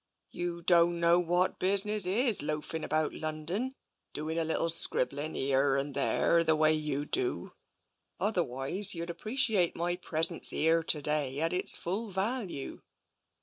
You don't know what business is, loafing about Lon don doing a little scribbling heerr and therre the way you do, otherwise you'd appreciate my presence heerr to day at its full value."